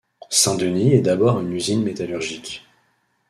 Saint Denis est d’abord une usine métallurgique.